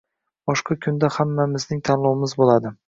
Boshqa kunda hammamizning tanlovimiz bo'ladi